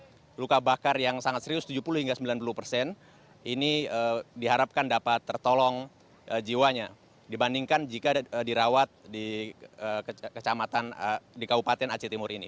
karena luka bakar yang sangat serius tujuh puluh hingga sembilan puluh persen ini diharapkan dapat tertolong jiwanya dibandingkan jika dirawat di kecamatan di kabupaten aceh timur ini